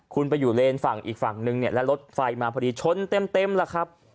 คุณไปอยู่เลนฝั่งอีกฝั่งนึงเนี่ยแล้วรถไฟมาพอดีชนเต็มแล้วครับ